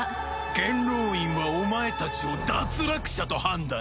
元老院はお前たちを脱落者と判断した。